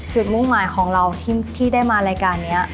มุ่งหมายของเราที่ได้มารายการนี้